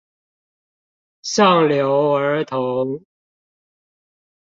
上流兒童